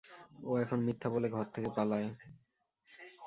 ও এখন মিথ্যা বলে, ঘর থেকে পালায়।